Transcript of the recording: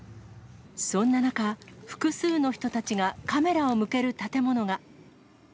そんな中、複数の人たちがカメラを向ける建物が。